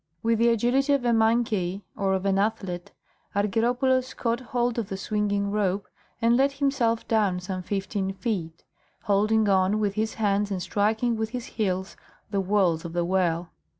With the agility of a monkey or of an athlete, Argyropoulos caught hold of the swinging rope and let himself down some fifteen feet, holding on with his hands and striking with his heels the walls of the well.